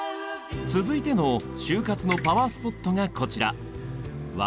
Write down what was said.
続いての就活のパワースポットがこちら。